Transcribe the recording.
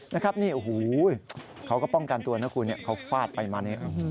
นะครับนี่โอ้โหเขาก็ป้องกันตัวนะคุณเขาฟาดไปมาเนี่ย